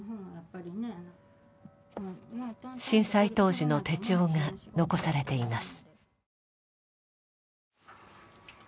震災当時の手帳が残されています。